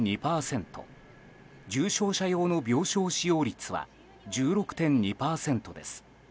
重症者用の病床使用率は１６．２％です。